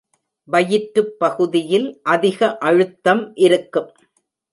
வயிற்றுப் பகுதியில் அதிக அழுத்தம் இருக்கும்.